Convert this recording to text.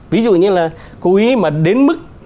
ví dụ như là cố ý mà đến mức